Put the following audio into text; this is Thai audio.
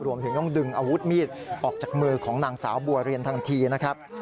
รวมถึงต้องดึงอาวุธมีดออกจากมือของนางสาวบัวเรียนทันทีนะครับ